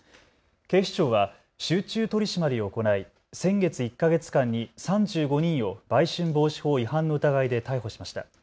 警視庁は集中取締りを行い先月１か月間に３５人を売春防止法違反の疑いで逮捕しました。